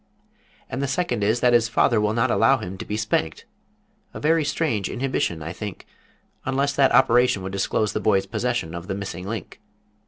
And the second is that his father will not allow him to be spanked, a very strange inhibition, I think, unless that operation would disclose the boy's possession of the Missing Link.